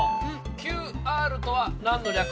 ＱＲとは何の略？